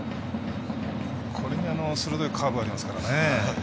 これに鋭いカーブがありますからね。